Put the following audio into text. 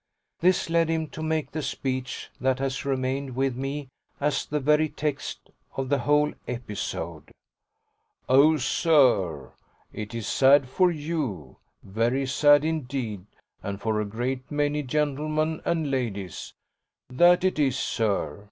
This led him to make the speech that has remained with me as the very text of the whole episode. "Oh sir, it's sad for YOU, very sad indeed, and for a great many gentlemen and ladies; that it is, sir.